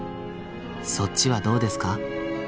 そっちはどうですか？